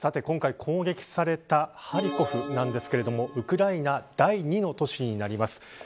今回攻撃されたハリコフですがウクライナ第２の都市になります。